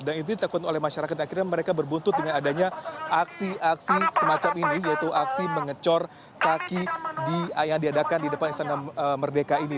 dan itu ditekut oleh masyarakat dan akhirnya mereka berbuntut dengan adanya aksi aksi semacam ini yaitu aksi mengecor kaki yang diadakan di depan istana merdeka ini